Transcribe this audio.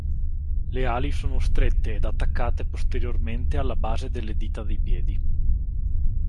Le ali sono strette ed attaccate posteriormente alla base delle dita dei piedi.